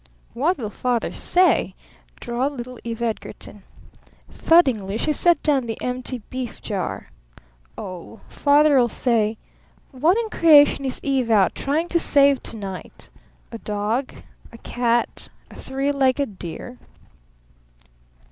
"What will Father say?" drawled little Eve Edgarton. Thuddingly she set down the empty beef jar. "Oh, Father'll say: What in creation is Eve out trying to save to night? A dog? A cat? A three legged deer?"